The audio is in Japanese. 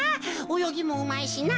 およぎもうまいしな。